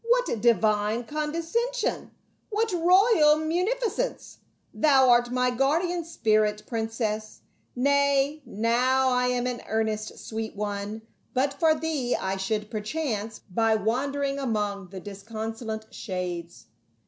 "What divine condescension ! What royal munificence ! Thou art my guardian spirit, princess. — Nay, now I am in earnest, sweet one, but for thee I should perchance be wandering among the disconsolate shades."